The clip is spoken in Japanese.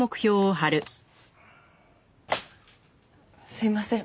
すいません。